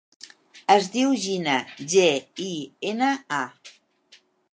Es diu Gina: ge, i, ena, a.